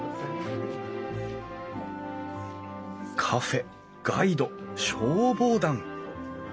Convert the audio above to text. カフェガイド消防団。